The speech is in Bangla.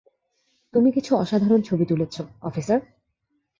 তুমি কিছু অসাধারণ ছবি তুলেছো, অফিসার।